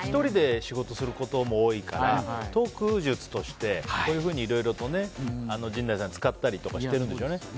１人で仕事することも多いからトーク術としてこういうふうに、いろいろと陣内さん使ったりとかしてるんでしょうね。